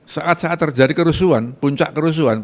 saat saat terjadi kerusuhan puncak kerusuhan